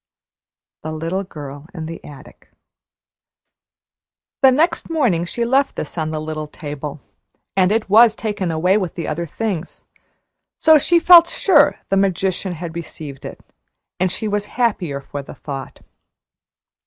"THE LITTLE GIRL IN THE ATTIC." The next morning she left this on the little table, and it was taken away with the other things; so she felt sure the magician had received it, and she was happier for the thought.